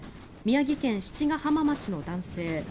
宮城県七ヶ浜町の男性